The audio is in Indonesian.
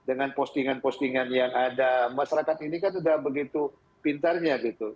dengan postingan postingan yang ada masyarakat ini kan sudah begitu pintarnya gitu